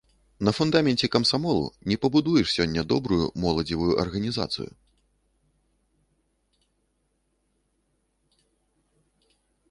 На фундаменце камсамолу не пабудуеш сёння добрую моладзевую арганізацыю.